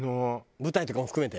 舞台とかも含めて？